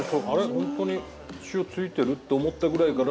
本当に塩付いてる？って思ったぐらいから。